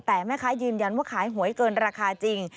แต่แม่ค้ายืนยันว่าขายหวยเกินราคาจริง